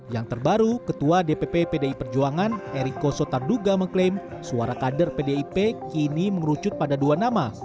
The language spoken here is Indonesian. yang terbaru ketua dpp pdi perjuangan eriko sotarduga mengklaim suara kader pdip kini mengerucut pada dua nama